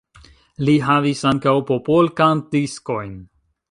Li havis ankaŭ popolkant-diskojn.